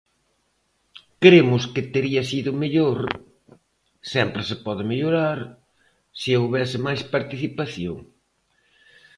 Cremos que tería sido mellor, sempre se pode mellorar, se houbese máis participación.